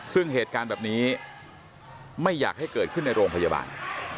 ซึ่งเหตุการณ์แบบนี้ไม่อยากให้เกิดขึ้นในโรงพยาบาล